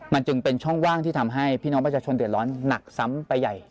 มันจึงเป็นช่องว่างที่ทำให้พี่น้องประชาชนเดือดร้อนหนักซ้ำไปใหญ่